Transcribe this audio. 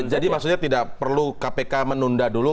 jadi maksudnya tidak perlu kpk menunda dulu